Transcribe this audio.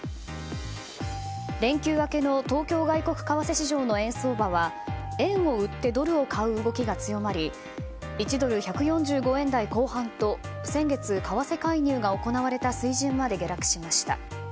連休明けの東京外国為替市場の円相場は円を売ってドルを買う動きが強まり１ドル＝１４５円台後半と先月、為替介入が行われた水準まで下落しました。